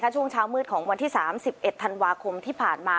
ช่วงเช้ามืดของวันที่๓๑ธันวาคมที่ผ่านมา